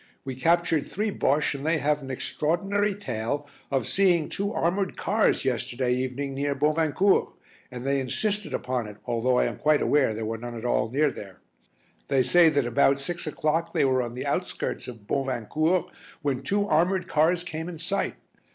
We captured three Bosches and they have an extraordinary tale of seeing two armoured cars yesterday evening near Bovincourt, and they insist upon it although I am quite aware there were none at all near there. They say that about six o'clock they were on the outskirts of Bovincourt when two armoured cars came in sight.